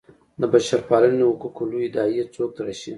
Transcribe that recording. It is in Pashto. د بشرپالنې حقوقو لویې داعیې څوک تراشي.